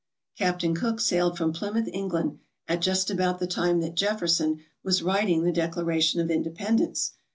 Captain Cook sailed from Plymouth, England, at just about the time that Jefferson was writing the Decla ration of Independence.